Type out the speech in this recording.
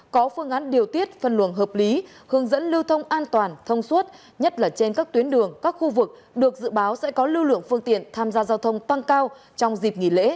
có phương án điều tiết phân luồng hợp lý hướng dẫn lưu thông an toàn thông suốt nhất là trên các tuyến đường các khu vực được dự báo sẽ có lưu lượng phương tiện tham gia giao thông tăng cao trong dịp nghỉ lễ